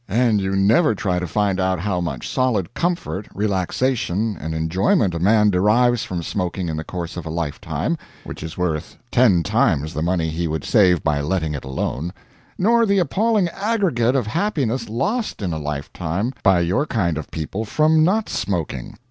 And you never try to find out how much solid comfort, relaxation, and enjoyment a man derives from smoking in the course of a lifetime (which is worth ten times the money he would save by letting it alone), nor the appalling aggregate of happiness lost in a lifetime by your kind of people from not smoking.